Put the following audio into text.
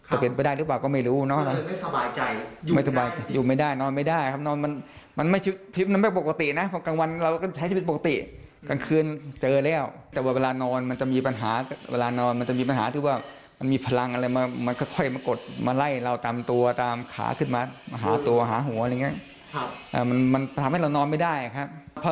หาตัวหาหัวอะไรอย่างนี้มันทำให้เรานอนไม่ได้ครับ